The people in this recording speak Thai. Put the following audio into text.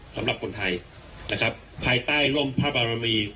สำหรับคนไทยนะครับภายใต้ร่มพระบารมี